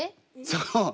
そう。